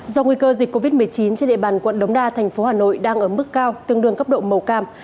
do nguy cơ dịch covid một mươi chín trên địa bàn quận đống đa thành phố hà nội đang ở mức cao tương đương cấp độ màu cam